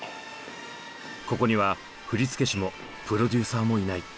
ここには振り付け師もプロデューサーもいない。